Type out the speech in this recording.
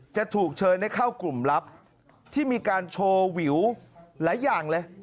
จะถูกเชิญให้เข้ากลุ่มลับที่มีการโชว์วิวหลายอย่างเลย